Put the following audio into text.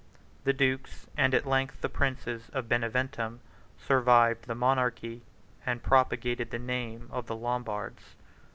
The dukes, and at length the princes, of Beneventum, survived the monarchy, and propagated the name of the Lombards.